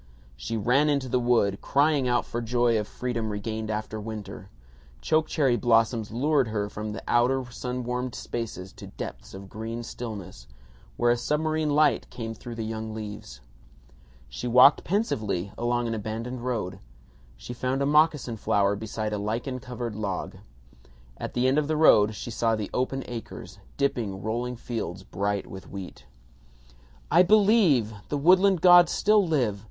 She ran into the wood, crying out for joy of freedom regained after winter. Choke cherry blossoms lured her from the outer sun warmed spaces to depths of green stillness, where a submarine light came through the young leaves. She walked pensively along an abandoned road. She found a moccasin flower beside a lichen covered log. At the end of the road she saw the open acres dipping rolling fields bright with wheat. "I believe! The woodland gods still live!